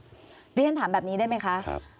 วิทยาลัยสารแบบนี้ได้ไหมค่ะครับ